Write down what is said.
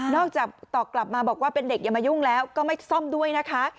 อกจากตอบกลับมาบอกว่าเป็นเด็กอย่ามายุ่งแล้วก็ไม่ซ่อมด้วยนะคะ